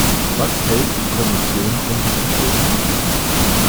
Was hält die Kommission von diesem Vorschlag?